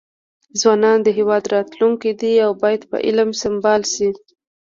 ځوانان د هیواد راتلونکي دي او باید په علم سمبال شي.